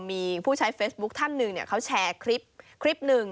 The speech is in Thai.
มีผู้ใช้เฟซบุ๊คท่านหนึ่งเขาแชร์คลิปคลิปหนึ่ง